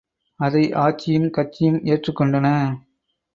அதை ஆட்சியும் கட்சியும் ஏற்றுக்கொண்டன.